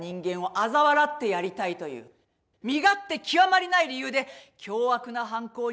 身勝手極まりない理由で凶悪な犯行に及びました。